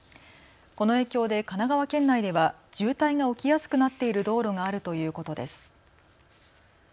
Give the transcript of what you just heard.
この影響で神奈川県内では渋滞が起きやすくなっている道路があるということです。